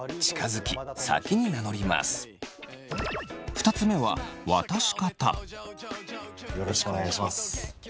２つ目はよろしくお願いします。